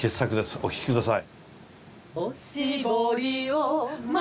お聴きください。